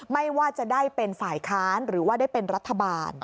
ไม่ว่าจะได้เป็นฝ่ายค้านหรือว่าได้เป็นรัฐบาล